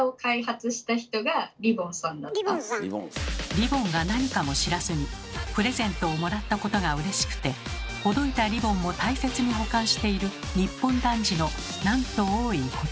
リボンが何かも知らずにプレゼントをもらったことがうれしくてほどいたリボンも大切に保管している日本男児のなんと多いことか。